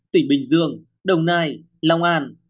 tỉnh bình dương đồng nai long an